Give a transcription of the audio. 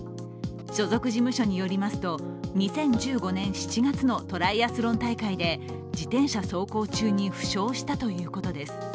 所属事務所によりますと２０１５年７月のトライアスロン大会で自転車走行中に負傷したということです。